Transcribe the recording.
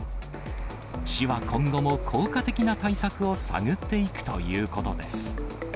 市は今後も効果的な対策を探っていくということです。